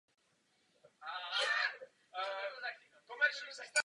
Udělení absolutoria Evropským parlamentem je založeno především na vašich příspěvcích.